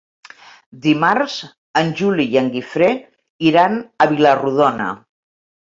Dimarts en Juli i en Guifré iran a Vila-rodona.